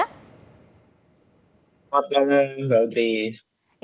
selamat malam mbak putri